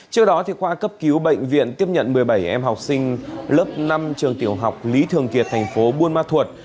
trước đó khoa cấp cứu bệnh viện tiếp nhận một mươi bảy em học sinh lớp năm trường tiểu học lý thường kiệt thành phố buôn ma thuột